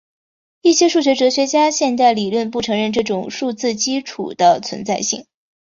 一些数学哲学的现代理论不承认这种数学基础的存在性。